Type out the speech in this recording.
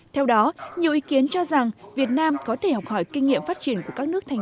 theo đó nhiều ý kiến cho rằng việt nam có thể học hỏi kinh nghiệm phát triển của các nước thành